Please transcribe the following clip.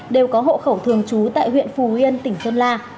đều có hộ khẩu thường trú tại huyện phù yên tỉnh sơn la